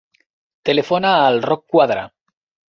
Telefona al Roc Cuadra.